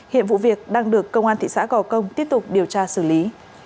hiện vụ việc đang được công an thị xã gò công tiếp tục điều tra xử lý